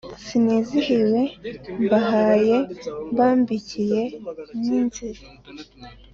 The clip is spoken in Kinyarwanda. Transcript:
sinizihiwe mbahaye mbambikiye n’izi,